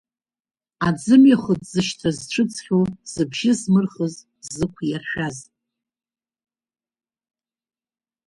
Аӡымҩахыҵ зышьҭра зцәыӡхьоу, зыбжьы змырхыз, зықә иаршәаз.